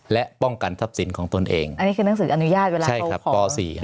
และป้องกันทรัพย์สินของตนเองอันนี้คือหนังสืออนุญาตเวลาใช่ครับป๔